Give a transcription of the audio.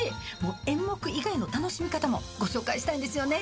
演目以外の楽しみ方もご紹介したいんですよね。